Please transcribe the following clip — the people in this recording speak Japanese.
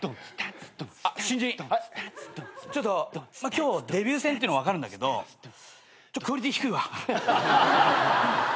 今日デビュー戦っていうの分かるんだけどクオリティー低いわ。